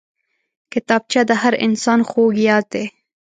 کتابچه د هر انسان خوږ یاد دی